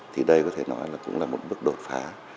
thì đây có thể nói là cũng là một bước đột phá